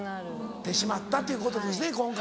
ってしまったということですね今回。